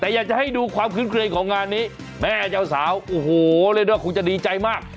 แต่อยากจะให้ดูความขึ้นเครงของงานนี้แม่เจ้าสาวโอ้โหเรียกได้ว่าคงจะดีใจมาก